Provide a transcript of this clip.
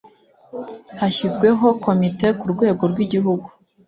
Hashyizweho Komite ku rwego rw igihugu